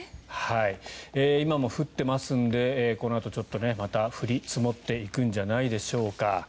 今も降っていますのでこのあとまた降り積もっていくんじゃないでしょうか。